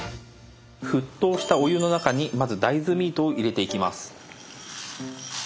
沸騰したお湯の中にまず大豆ミートを入れていきます。